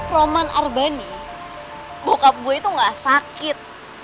roman orbeni bokap gue itu gak sakit